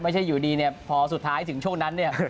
ไม่ใช่อยู่ดีเนี่ยพอสุดท้ายถึงช่วงนั้นเนี่ย